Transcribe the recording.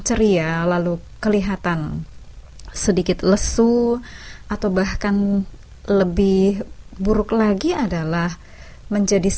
tuhan ku bantu karang